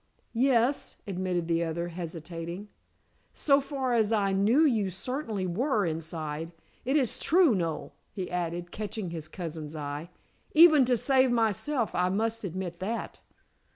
"Yes," admitted the other hesitating. "So far as I knew you certainly were inside. It is true, Noel," he added, catching his cousin's eye. "Even to save myself I must admit that."